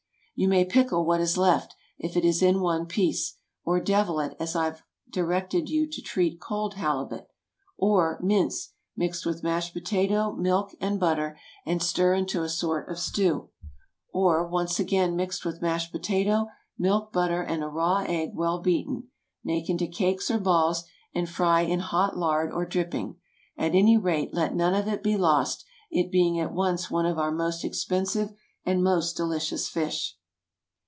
You may pickle what is left, if it is in one piece. Or devil it, as I have directed you to treat cold halibut. Or mince, mixed with mashed potato, milk, and butter, and stir into a sort of stew. Or, once again, mix with mashed potato, milk, butter, and a raw egg well beaten; make into cakes or balls, and fry in hot lard or dripping. At any rate, let none of it be lost, it being at once one of our most expensive and most delicious fish.